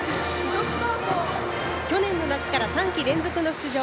去年の夏から３季連続の出場。